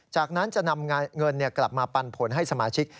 จากนั้นจะนำเงินกลับมาปันผลให้สมาชิก